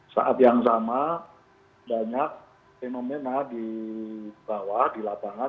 saat yang sama banyak fenomena di bawah di lapangan